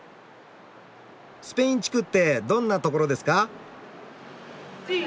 スペイン地区ってどんな所ですか？